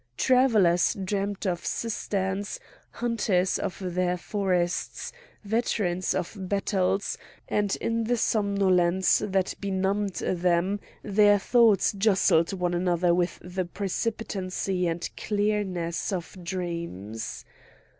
Travellers dreamed of cisterns, hunters of their forests, veterans of battles; and in the somnolence that benumbed them their thoughts jostled one another with the precipitancy and clearness of dreams.